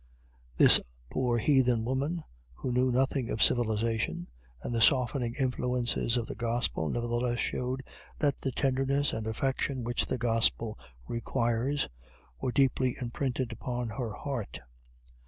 This poor heathen woman, who knew nothing of civilization, and the softening influences of the Gospel, nevertheless showed that the tenderness and affection which the Gospel requires were deeply imprinted upon her heart.